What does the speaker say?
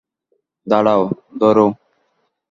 দাঁড়াও, ধরো।